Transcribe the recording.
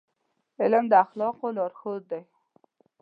علم د اخلاقو لارښود دی.